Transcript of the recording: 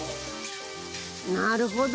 なるほど！